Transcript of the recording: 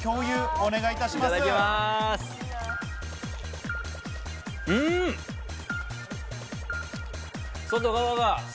お願いいたします。